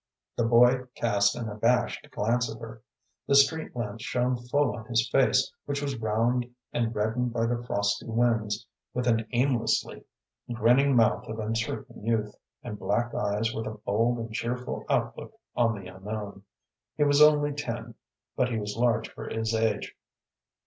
The boy cast an abashed glance at her. The street lamp shone full on his face, which was round and reddened by the frosty winds, with an aimlessly grinning mouth of uncertain youth, and black eyes with a bold and cheerful outlook on the unknown. He was only ten, but he was large for his age.